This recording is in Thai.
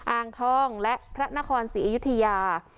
อ่างทองและพระนครศรีอยุธยา